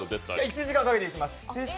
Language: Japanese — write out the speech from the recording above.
１時間かけて行きます。